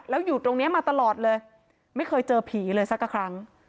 แล้วอยู่ตรงนี้มาตลอดเลยไม่เคยเจอผีเลยสักครั้ง